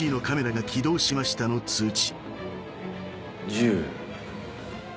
１０。